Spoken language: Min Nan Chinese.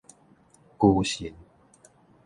龜神